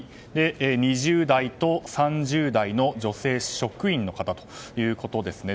２０代と３０代の女性職員の方ということですね。